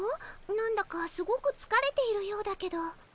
何だかすごくつかれているようだけど。